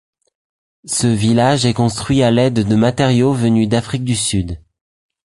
Ce village est construit à l'aide de matériaux venus d'Afrique du Sud.